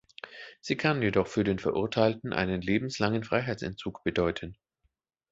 Sie kann jedoch für den Verurteilten einen lebenslangen Freiheitsentzug bedeuten.